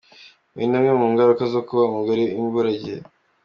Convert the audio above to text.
Iyi ni imwe mu ngaruka zo kuba umugore imburagihe.